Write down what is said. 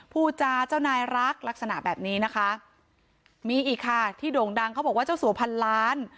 ผู้จาเจ้านายรักลักษณะแบบนี้นะคะมีอีกค่ะที่โด่งดังเขาบอกว่าเจ้าสัวพันล้าน